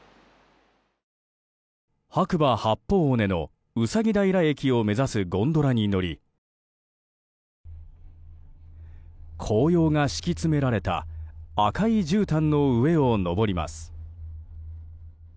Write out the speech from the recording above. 白馬八方尾根のうさぎ平駅を目指すゴンドラに乗り紅葉が敷き詰められた赤いじゅうたんの上を上ります。